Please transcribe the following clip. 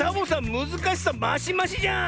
むずかしさマシマシじゃん！